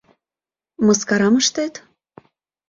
Мыскарам ыштет?